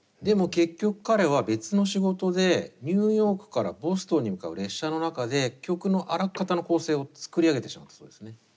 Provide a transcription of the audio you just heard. でも結局彼は別の仕事でニューヨークからボストンに向かう列車の中で曲のあらかたの構成を作り上げてしまったそうですね。